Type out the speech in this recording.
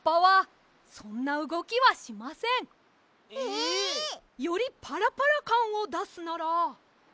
ええ！？よりパラパラかんをだすなら。